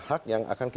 jadi saya ingin menolak